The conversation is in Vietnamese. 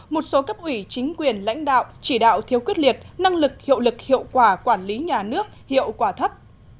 một số cấp ủy chính quyền lãnh đạo chỉ đạo thiếu quyết liệt năng lực hiệu lực hiệu quả quản lý nhà nước hiệu quả thấp